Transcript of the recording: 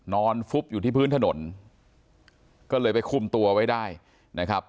ฟุบอยู่ที่พื้นถนนก็เลยไปคุมตัวไว้ได้นะครับ